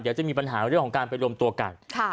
เดี๋ยวจะมีปัญหาเรื่องของการไปรวมตัวกัน